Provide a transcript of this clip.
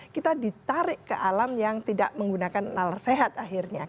kita ditarik ke alam yang tidak menggunakan nalar sehat akhirnya